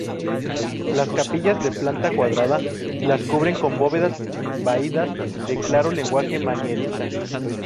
Las capillas, de planta cuadrada, las cubren con bóvedas vaídas de claro lenguaje manierista.